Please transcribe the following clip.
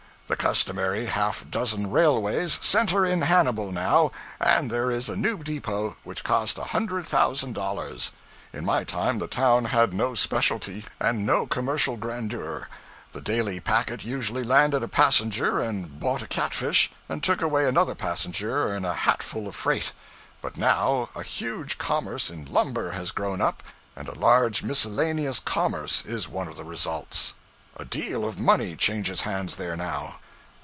The customary half dozen railways center in Hannibal now, and there is a new depot which cost a hundred thousand dollars. In my time the town had no specialty, and no commercial grandeur; the daily packet usually landed a passenger and bought a catfish, and took away another passenger and a hatful of freight; but now a huge commerce in lumber has grown up and a large miscellaneous commerce is one of the results. A deal of money changes hands there now.